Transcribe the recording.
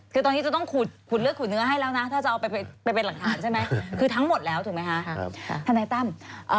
คือตอนนี้จะต้องขุดเลือดขุดเนื้อให้แล้วนะถ้าจะเอาไปเป็นหลักฐานใช่ไหมคือทั้งหมดแล้วถูกไหมคะทนายตั้ม